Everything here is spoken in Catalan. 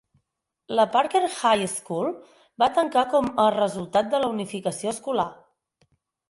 La Parker High School va tancar com a resultat de la unificació escolar.